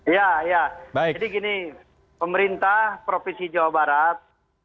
ya ya jadi gini pemerintah provinsi jawa barat